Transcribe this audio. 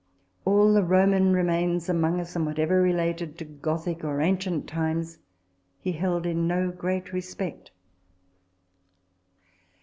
All the Roman remains among us, and whatever related to Gothic or ancient times, he held in no great respect.